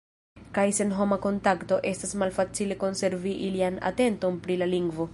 Kaj sen homa kontakto, estas malfacile konservi ilian atenton pri la lingvo.